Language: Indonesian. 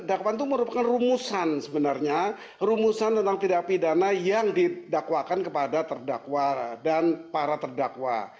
dakwaan itu merupakan rumusan sebenarnya rumusan tentang tidak pidana yang didakwakan kepada terdakwa dan para terdakwa